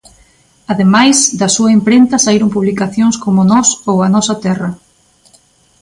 Ademais, da súa imprenta saíron publicacións como "Nós" ou "A Nosa Terra".